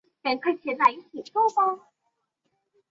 中国切音新字是清末拼音字方案中最早的一种。